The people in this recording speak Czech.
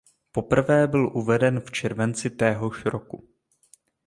Poprvé byl uveden v červenci téhož roku.